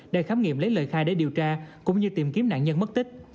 để khám nghiệm lấy lời khai để điều tra cũng như tìm kiếm nạn nhân mất tích